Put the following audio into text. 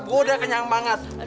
gue udah kenyang banget